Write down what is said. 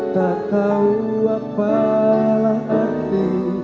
tak tahu apalah hati